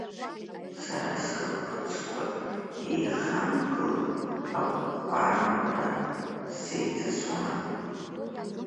Сара схаԥыцқәа еихамгыло аҟәара-ҟәара сеиҵасуан.